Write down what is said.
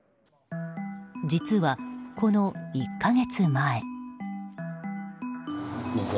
実は、この１か月前。